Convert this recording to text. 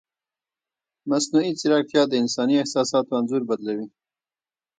مصنوعي ځیرکتیا د انساني احساساتو انځور بدلوي.